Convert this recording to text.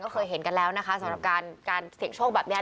เคยเห็นกันแล้วนะคะสำหรับการเสี่ยงโชคแบบนี้